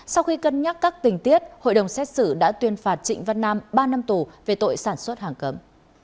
sau khi cân nhắc các tình tiết hội đồng xét xử đã tuyên phạt trịnh văn nam ba năm tù về tội sản xuất hàng cấm